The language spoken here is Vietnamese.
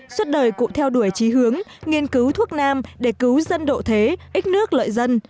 suốt đời cụ theo đuổi trí hướng nghiên cứu thuốc nam để cứu dân độ thế ít nước lợi dân